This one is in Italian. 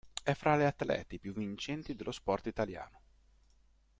È fra le atlete più vincenti dello sport italiano.